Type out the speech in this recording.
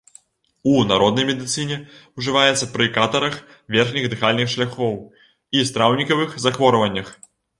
У народнай медыцыне ўжываецца пры катарах верхніх дыхальных шляхоў і страўнікавых захворваннях.